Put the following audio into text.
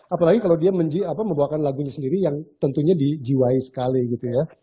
apalagi kalau dia membawakan lagunya sendiri yang tentunya dijiwai sekali gitu ya